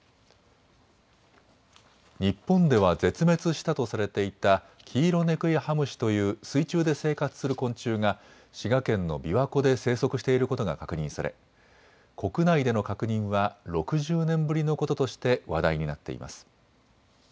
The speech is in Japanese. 日本では絶滅したとされていたキイロネクイハムシという水中で生活する昆虫が滋賀県のびわ湖で生息していることが確認され国内での確認は６０年ぶりのこととして話題になっています。